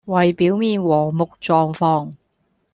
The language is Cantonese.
為表面和睦狀況